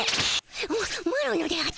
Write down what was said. ママロのであったの。